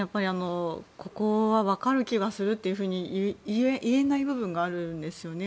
ここは分かる気がするというふうに言えない部分があるんですよね。